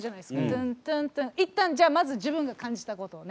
タンタンタンいったんじゃあまず自分が感じたことをね。